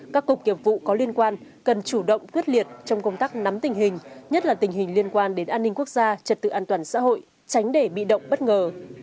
các cục nghiệp vụ có liên quan cần chủ động quyết liệt trong công tác nắm tình hình nhất là tình hình liên quan đến an ninh quốc gia trật tự an toàn xã hội tránh để bị động bất ngờ